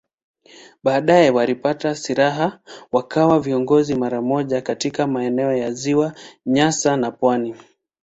Baadaye walipata silaha wakawa viongozi mara moja katika maeneo ya Ziwa Nyasa na pwani.